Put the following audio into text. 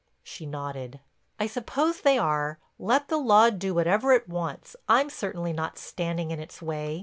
She nodded: "I suppose they are. Let the law do whatever it wants; I'm certainly not standing in its way.